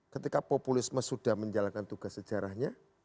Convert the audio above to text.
ketika populisme sudah menjalankan tugas sejarahnya